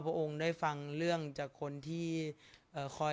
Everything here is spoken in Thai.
สงฆาตเจริญสงฆาตเจริญ